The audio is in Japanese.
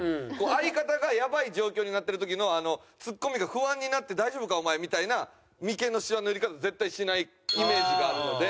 相方がやばい状況になってる時のあのツッコミが不安になって「大丈夫か？お前」みたいな眉間のシワの寄り方絶対しないイメージがあるので。